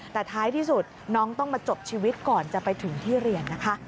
แต่ท้ายที่สุดน้องต้องมาจบชีวิตก่อนจะไปถึงที่เรียนนะคะ